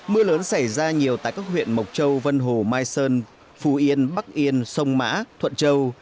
mưa lớn xảy ra nhiều tại các huyện mộc châu vân hồ mai sơn phú yên bắc yên sông mã thuận châu